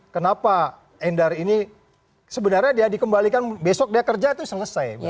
kenapa endar ini sebenarnya dia dikembalikan besok dia kerja itu selesai